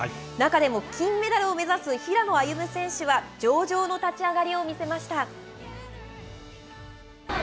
中でも、金メダルを目指す平野歩夢選手は、上々の立ち上がりを見せました。